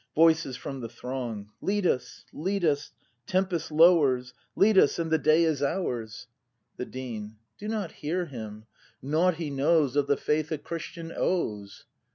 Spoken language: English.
Voices from the Throng. Lead us, lead us! Tempest lowers! Lead us, and the day is ours! 260 BRAND [act v The Dean. Do not hear him! Nought he knows Of the Faith a Christian owes!